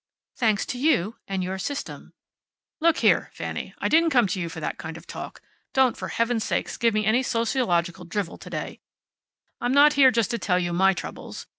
"Thanks to you and your system." "Look here, Fanny. I didn't come to you for that kind of talk. Don't, for heaven's sake, give me any sociological drivel to day. I'm not here just to tell you my troubles.